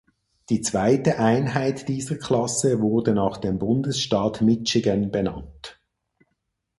Die zweite Einheit dieser Klasse wurde nach dem Bundesstaat Michigan benannt.